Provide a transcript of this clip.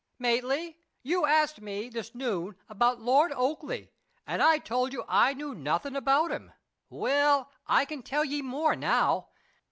"Maitland, you asked me, this noon, about Lord Oakleigh; and I told you I knew nothing about him. Well, I can tell ye more now.